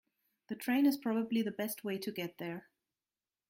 The train is probably the best way to get there.